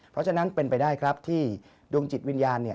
เพราะฉะนั้นเป็นไปได้ครับที่ดวงจิตวิญญาณ